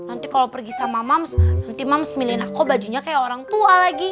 nanti kalau pergi sama mums nanti mams milihin aku bajunya kayak orang tua lagi